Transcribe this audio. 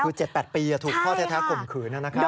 คือ๗๘ปีถูกพ่อแท้ข่มขืนนะครับ